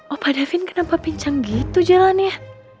opah davin kenapa pincang gitu jalannya